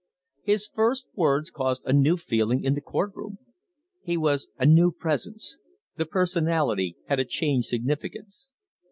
His first words caused a new feeling in the courtroom. He was a new presence; the personality had a changed significance.